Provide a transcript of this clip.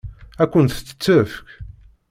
Ad kent-tt-tefk?